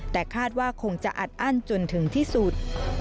แต่คาดว่าคงจะอัดอั้นจนถึงที่สุด